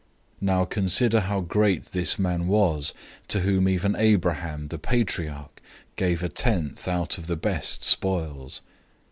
007:004 Now consider how great this man was, to whom even Abraham, the patriarch, gave a tenth out of the best spoils.